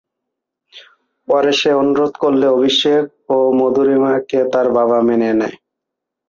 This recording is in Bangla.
পরে সে অনুরোধ করলে "অভিষেক" ও "মধুরিমা"কে তার বাবা মেনে নেয়।